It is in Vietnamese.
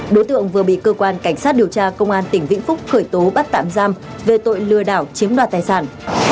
đối tượng vừa bị cơ quan cảnh sát điều tra công an tỉnh vĩnh phúc khởi tố bắt tạm giam về tội lừa đảo chiếm đoạt tài sản